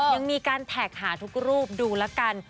ยังมีการแท็กหาทุกรูปดูแล้วกัน